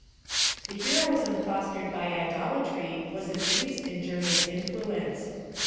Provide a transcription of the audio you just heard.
The heroism fostered by idolatry was its least injurious influence.